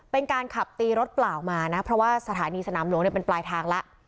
เป็นการขับตีรถเปล่ามานะเพราะว่าสถานีสนามหลวงเนี่ยเป็นปลายทางแล้ว